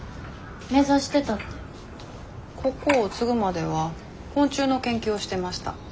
ここを継ぐまでは昆虫の研究をしてました。